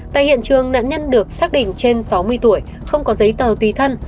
tại hiện trường nạn nhân được xác định trên sáu mươi tuổi không có giấy tờ tùy thân